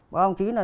bác ông chí là